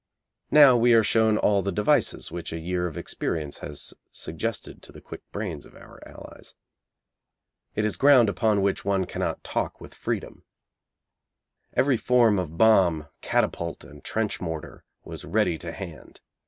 Now we are shown all the devices which a year of experience has suggested to the quick brains of our Allies. It is ground upon which one cannot talk with freedom. Every form of bomb, catapult, and trench mortar was ready to hand.